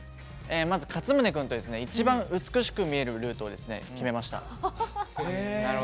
まず、かつむね君と一番美しく見えるルートを決めました。